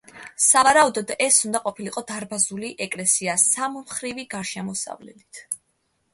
სავარაუდოდ ეს უნდა ყოფილიყო დარბაზული ეკლესია სამმხრივი გარშემოსავლელით.